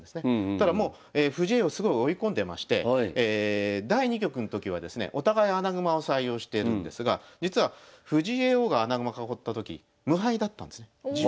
ただもう藤井叡王すごい追い込んでまして第２局の時はですねお互い穴熊を採用してるんですが実は藤井叡王が穴熊囲った時無敗だったんですね。